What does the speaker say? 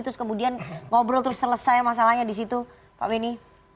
terus kemudian ngobrol terus selesai masalahnya disitu pak beni